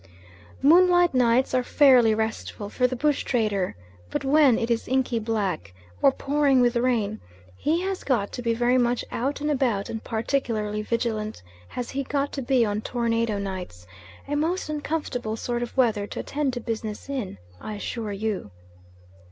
Moonlight nights are fairly restful for the bush trader, but when it is inky black, or pouring with rain, he has got to be very much out and about, and particularly vigilant has he got to be on tornado nights a most uncomfortable sort of weather to attend to business in, I assure you.